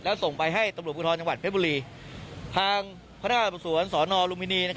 แล้วส่งไปให้ตำรวจบุตรธรรมจังหวัดเพชรบุรีทางคณะการประสวนสนลุมินี